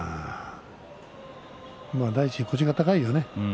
第一、腰が高いよね。